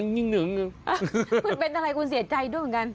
คุณเป็นอะไรคุณเสียใจด้วยเหมือนกัน